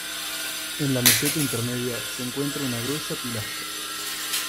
En la meseta intermedia se encuentra una gruesa pilastra.